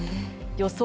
予想